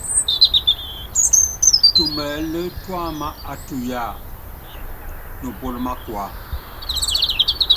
Tumɛlɛ́ tuámá á tuyáa, nupúlɔ́ mákua.